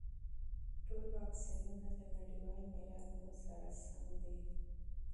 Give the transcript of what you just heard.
ټول واکسینونه د نړیوال معیارونو سره سم دي.